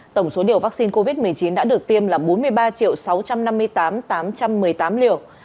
tổng số liều vaccine covid một mươi chín đã được tiêm là bốn mươi ba sáu trăm năm mươi tám tám trăm một mươi tám liều